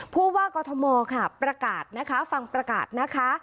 ผู้ว่ากอทมค่ะประกาศนะคะฟังประกาศนะคะ